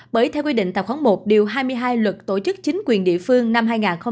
bởi theo quy định tạp khoảng một điều hai mươi hai luật tổ chức chính quyền địa phương năm hai nghìn một mươi năm